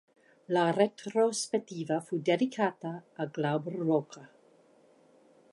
La retrospettiva fu dedicata a Glauber Rocha.